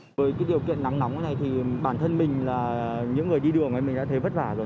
với cái điều kiện nắng nóng này thì bản thân mình là những người đi đường ấy mình đã thấy vất vả rồi